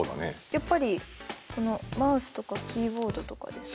やっぱりこのマウスとかキーボードとかですか？